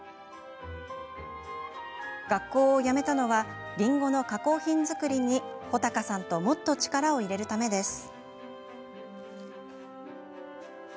学校を辞めたのはりんごの加工品作りに穂孝さんともっと力を入れるためです。